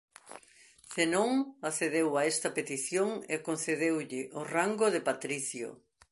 Zenón accedeu a esta petición e concedeulle o rango de patricio.